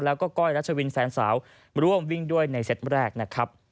แล้วก็ก้อยรัชวินแฟนสาวร่วมวิ่งด้วยในเซตแรกนะครับ